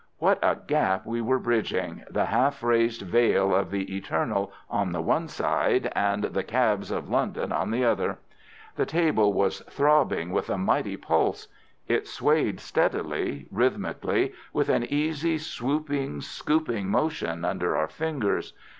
What a gap we were bridging, the half raised veil of the eternal on the one side and the cabs of London on the other. The table was throbbing with a mighty pulse. It swayed steadily, rhythmically, with an easy swooping, scooping motion under our fingers.